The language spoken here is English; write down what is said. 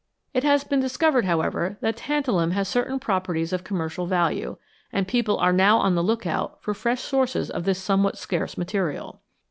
It has been discovered, however, that tantalum has certain properties of commercial value, and people are now on the look out for fresh sources of this somewhat scarce material.